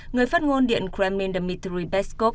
người phát ngôn điện kremlin dmitry peskov